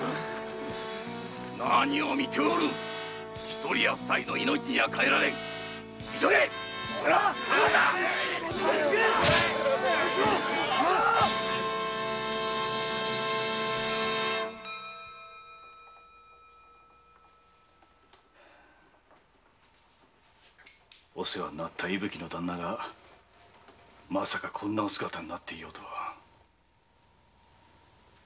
何を見ておる一人や二人の命には代えられぬ急げ行くのだお世話になった伊吹のダンナがまさかこんなお姿になっていようとは。